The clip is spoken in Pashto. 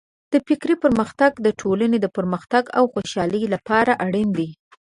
د فکري پرمختګ د ټولنې د پرمختګ او خوشحالۍ لپاره اړین دی.